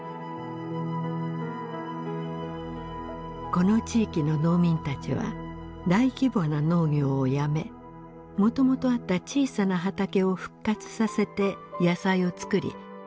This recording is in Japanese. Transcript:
この地域の農民たちは大規模な農業をやめもともとあった小さな畑を復活させて野菜を作り朝市で売っていました。